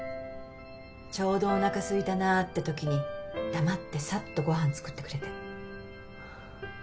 ちょうどおなかすいたなって時に黙ってサッとごはん作ってくれて。